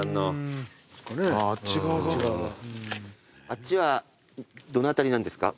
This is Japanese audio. あっちはどの辺りなんですか？